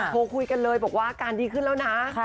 โทรคุยกันเลยบอกว่าอาการดีขึ้นแล้วนะ